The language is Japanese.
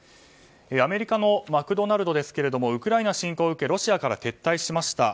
アメリカのマクドナルドですがウクライナ侵攻を受けロシアから撤退しました。